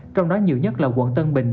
trong đó nhiều nhất là quận tân bình